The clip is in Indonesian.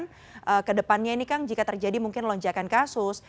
karena ke depannya ini kang jika terjadi mungkin lonjakan kasus